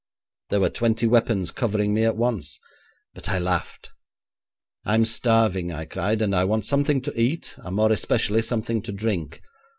'There were twenty weapons covering me at once, but I laughed. '"I'm starving," I cried, "and I want something to eat, and more especially something to drink.